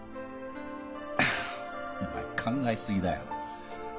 ハハッお前考え過ぎだよ。